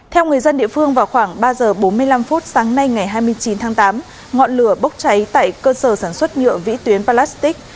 theo người dân địa phương vào khoảng ba giờ bốn mươi năm sáng nay ngày hai mươi chín tháng tám ngọn lửa bốc cháy tại cơ sở sản xuất nhựa vĩ tuyến palastic